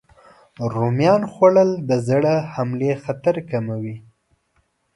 رومیان خوړل د زړه حملې خطر کموي.